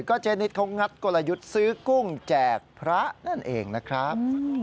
เจนิดเขางัดกลยุทธ์ซื้อกุ้งแจกพระนั่นเองนะครับ